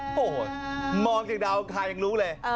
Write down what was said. โอ้โหมองจากเดาถ่ายยังรู้เลย